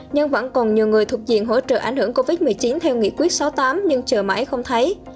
nhưng vẫn còn nhiều người thuộc diện hỗ trợ ảnh hưởng covid một mươi chín theo nghị quyết sáu mươi tám nhưng chờ mãi không thấy